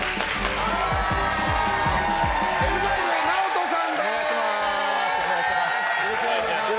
ＥＸＩＬＥＮＡＯＴＯさんです。